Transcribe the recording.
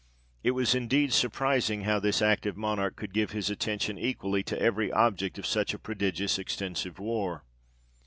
It was indeed surprising how this active Monarch could give his attention equally to every object of such a prodigious extensive war.